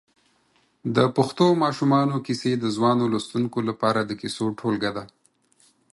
د پښتو ماشومانو کیسې د ځوانو لوستونکو لپاره د کیسو ټولګه ده.